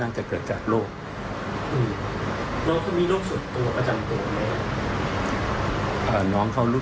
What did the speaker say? แม่จะมาเรียกร้องอะไร